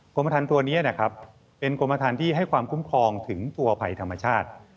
กรมฐานตัวนี้นะครับเป็นกรมฐานที่ให้ความคุ้มครองถึงตัวภัยธรรมชาติ